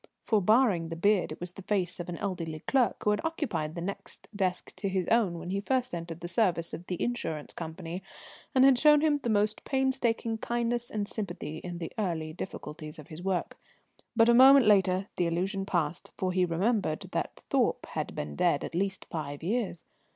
For, barring the beard, it was the face of an elderly clerk who had occupied the next desk to his own when he first entered the service of the insurance company, and had shown him the most painstaking kindness and sympathy in the early difficulties of his work. But a moment later the illusion passed, for he remembered that Thorpe had been dead at least five years.